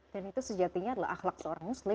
dan itu sejatinya adalah akhlak seorang muslim ya